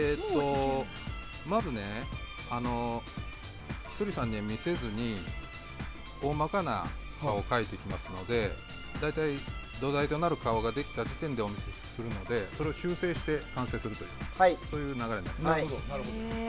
まず、ひとりさんには見せずに大まかな顔を描いていきますので大体、土台となる顔ができた時点でお見せするので、それを修正して完成するという流れになります。